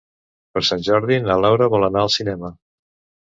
Per Sant Jordi na Laura vol anar al cinema.